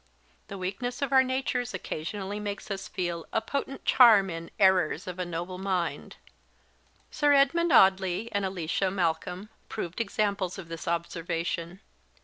The weakness of our natures occasionally makes us feel a potent charm in "errors of a noble mind." Sir Edmund Audley and Alicia Malcolm proved examples of this observation.